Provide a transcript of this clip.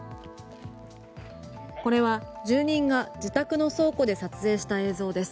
これは住人が自宅の倉庫で撮影した映像です。